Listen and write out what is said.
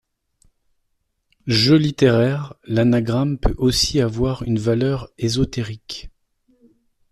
Jeu littéraire, l'anagramme peut aussi avoir une valeur ésotérique.